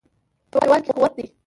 یووالي کې قوت دی.